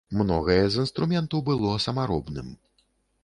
Многае з інструменту было самаробным.